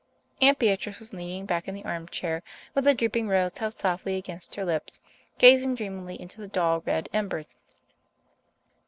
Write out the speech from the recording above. Aunt Beatrice was leaning back in the armchair, with a drooping rose held softly against her lips, gazing dreamily into the dull red embers.